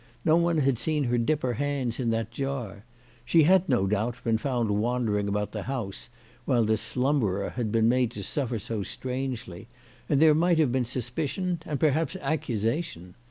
No one had seen her dip her .hands in that jar. She had, no doubt, been found wandering about the house while the slumberer had been made to suffer so strangely, and there might have been suspicion, and perhaps accusation.